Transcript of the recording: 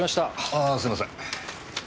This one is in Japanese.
ああすいません。